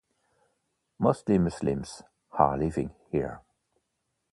Mostly Muslims are living here.